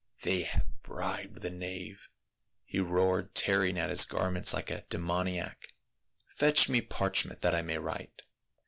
" They have bribed the knave !" he roared, tearing at his garments Hke a demoniac. " Fetch me parch ment that I may write."